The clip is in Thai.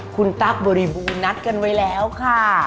คุณตั๊กบริบูรณัดกันไว้แล้วค่ะ